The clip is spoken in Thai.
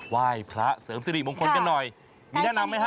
ว่ายพระเสริมสีรีบมคลกันหน่อยมีแนะนำไหมครับใหม่นะครับ